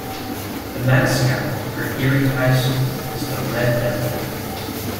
The mascot for Erie High School is the Red Devil.